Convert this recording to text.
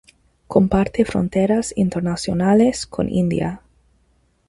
Comparte fronteras internacionales con India.